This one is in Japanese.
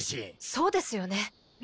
そうですよね！